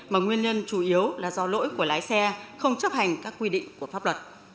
mà nguyên nhân chủ yếu là do lỗi của lái xe không chấp hành các quy định của pháp luật